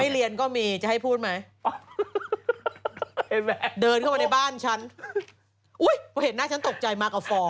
ไม่เรียนก็มีจะให้พูดไหม